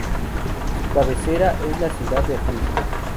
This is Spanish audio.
Su cabecera es la ciudad de Atlixco.